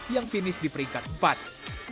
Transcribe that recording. yang finish di peringkat empat